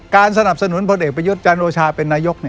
สนับสนุนพลเอกประยุทธ์จันโอชาเป็นนายก